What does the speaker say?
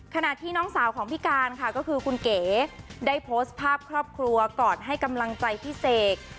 ขณะที่น้องสาวของพี่การค่ะก็คือคุณเก๋ได้โพสต์ภาพครอบครัวกอดให้กำลังใจพี่เสก